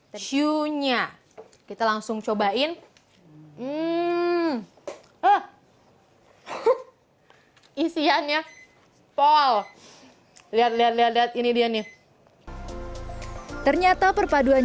the sunya kita langsung cobain hmm ah isiannya pol lihat lihat ini dia nih ternyata perpaduan